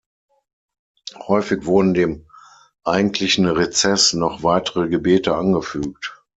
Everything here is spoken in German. Häufig wurden dem eigentlichen Rezess noch weitere Gebete angefügt.